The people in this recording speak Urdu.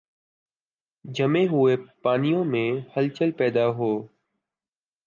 جمے ہوئے پانیوں میں ہلچل پیدا ہو۔